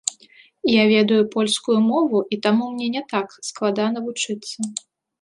Я ведаю польскую мову і таму мне не так складана вучыцца.